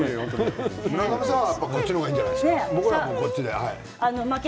村雨さんは葉っぱの方がいいんじゃないですか？